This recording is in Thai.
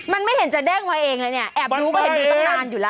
มันไม่เห็นจะเด้งมาเองเลยเนี่ยแอบดูก็เห็นดูตั้งนานอยู่แล้ว